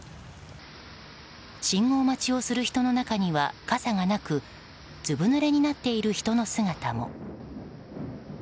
信号待ちをする人の中には傘がなくずぶ濡れになっている人の姿も。